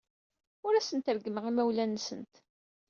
Ur asent-reggmeɣ imawlan-nsent.